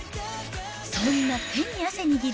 そんな手に汗握る！